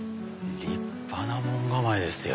立派な門構えですよ。